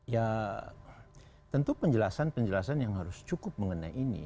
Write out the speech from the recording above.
ya tentu penjelasan penjelasan yang harus cukup mengenai ini